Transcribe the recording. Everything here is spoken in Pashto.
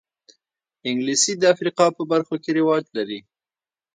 انګلیسي د افریقا په برخو کې رواج لري